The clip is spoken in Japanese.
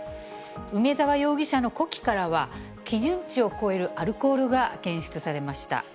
梅沢容疑者の呼気からは、基準値を超えるアルコールが検出されました。